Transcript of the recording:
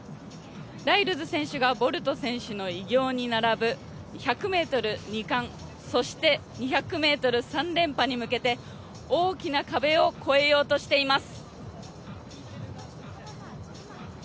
ライルズ選手がボルト選手の偉業に並ぶ１００ｍ２冠、そして２００ｍ３連覇に向けて大きな壁を超えようとしています。